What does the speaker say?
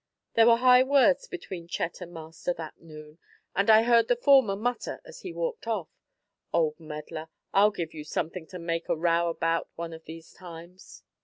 There were high words between Chet and Master that noon, and I heard the former mutter as he walked off: "Old meddler, I'll give you something to make a row about one of these times."